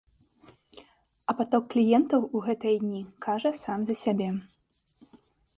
А паток кліентаў у гэтыя дні кажа сам за сябе.